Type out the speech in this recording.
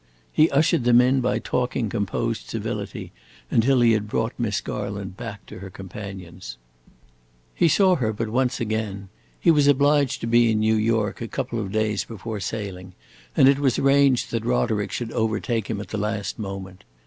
He ushered them in by talking composed civility until he had brought Miss Garland back to her companions. He saw her but once again. He was obliged to be in New York a couple of days before sailing, and it was arranged that Roderick should overtake him at the last moment.